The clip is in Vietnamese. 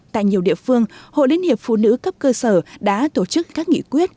tại nhiều địa phương hội liên hiệp phụ nữ cấp cơ sở đã tổ chức các nghị quyết